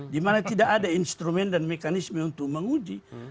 di mana tidak ada instrumen dan mekanisme untuk menguji